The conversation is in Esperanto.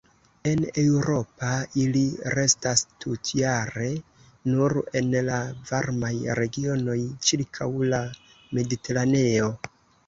En Eŭropa ili restas tutjare nur en la varmaj regionoj ĉirkaŭ la Mediteraneo.